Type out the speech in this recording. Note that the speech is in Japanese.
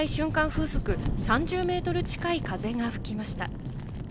風速３０メートル近い風が吹きました。